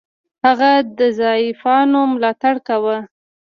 هغه د ضعیفانو ملاتړ کاوه.